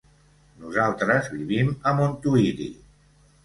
Nosaltres vivim a Montuïri.